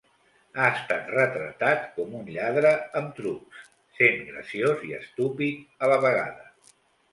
Ha estat retratat com un lladre amb trucs, sent graciós i estúpid a la vegada.